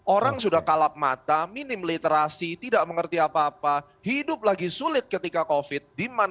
orang sudah kalap mata minim literasi tidak mengerti apa apa hidup lagi sulit ketika covid di mana